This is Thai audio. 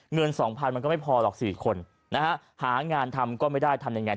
เงิน๒๐๐๐มันก็ไม่พอหรอก๔คนนะฮะหางานทำก็ไม่ได้ทำยังไง